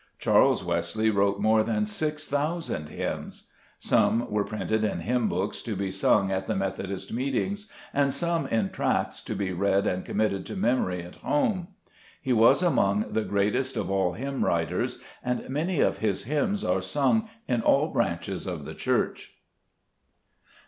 Charles Wesley wrote more than 6000 hymns. Some were printed in hymn books to be sung at the Methodist meetings, and some in tracts to be read and committed to memory at home. He was among the greatest of all hymn writers, and many of his hymns are sung in all branches of the Church.